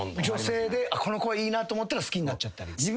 女性でこの声いいなと思ったら好きになっちゃったり？